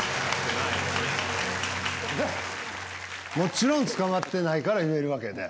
もちろん捕まってないから言えるわけで。